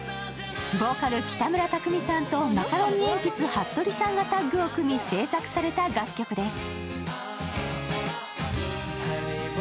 ボーカル・北村匠海さんとマカロニえんぴつ・はっとりさんがタッグを組み製作された楽曲です。